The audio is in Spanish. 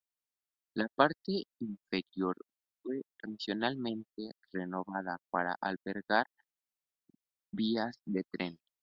La parte inferior fue recientemente renovada para albergar vías de tren.